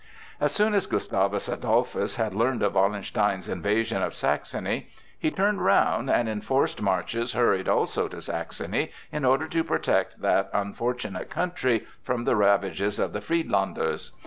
As soon as Gustavus Adolphus had learned of Wallenstein's invasion of Saxony he turned round, and in forced marches hurried also to Saxony in order to protect that unfortunate country from the ravages of the Friedlanders.